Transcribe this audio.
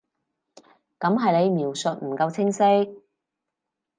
噉係你描述唔夠清晰